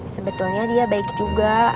sebetulnya dia baik juga